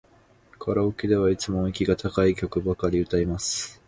カラオケではいつも音域が高い曲ばかり歌います。